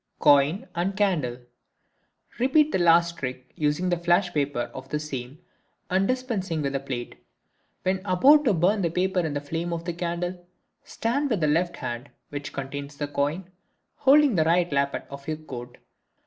Coin and Candle.—Repeat the last trick, using "flash" paper for the same and dispensing with the plate. When about to burn the paper in the flame of the candle, stand with the left hand, which contains the coin, holding the right lappet of your coat.